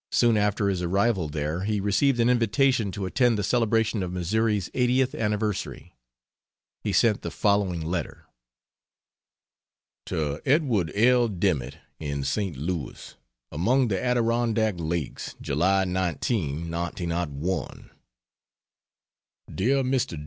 Soon after his arrival there he received an invitation to attend the celebration of Missouri's eightieth anniversary. He sent the following letter: To Edward L. Dimmitt, in St. Louis: AMONG THE ADIRONDACK LAKES, July 19, 1901. DEAR MR.